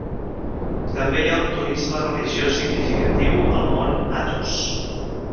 També hi ha un turisme religiós significatiu al mont Athos.